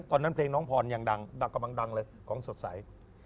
ตอนนั้นเพลงน้องพรอย่างกำลังเลยของสดใส